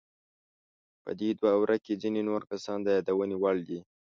په دې دوره کې ځینې نور کسان د یادونې وړ دي.